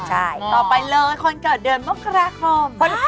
ใช่ต่อไปเลยคนเกิดเดือนมกราคม